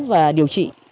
và điều trị